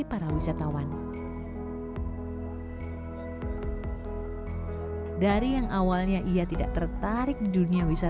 kalau aku seperti itu aja